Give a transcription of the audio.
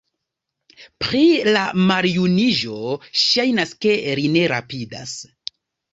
Pri la maljuniĝo, ŝajnas, ke li ne rapidas.